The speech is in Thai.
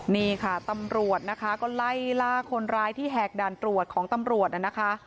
นี่ค่ะตำรวจนะคะก็ไล่ล่าคนร้ายที่แหกด่านตรวจของตำรวจนะคะ